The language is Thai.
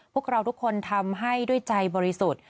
พวกเราทุกคนทำให้ด้วยใจบริสุทธิ์